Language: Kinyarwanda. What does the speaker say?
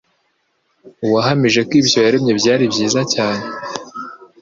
uwahamije ko ibyo yaremye byari byiza cyane,